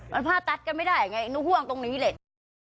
มันผ้าตัดกันไม่ได้ไงหนูห่วงตรงนี้แหละ